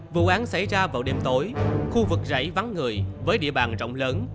vụ án xảy ra vào đêm tối khu vực rảy vắng người với địa bàn rộng lớn